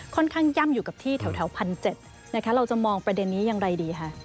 ค่อนข้างย่ำอยู่กับที่แถวพันเจ็ดนะคะเราจะมองประเด็นนี้อย่างไรดีคะ